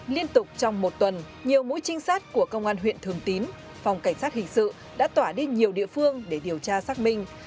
liên tục trong một tuần nhiều mũi trinh sát của công an huyện thường tín phòng cảnh sát hình sự đã tỏa đi nhiều địa phương để điều tra xác minh